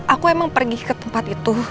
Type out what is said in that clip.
aku emang pergi ke tempat itu